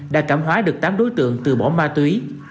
đã cảm hóa được tám đối tượng từ bỏ ma túy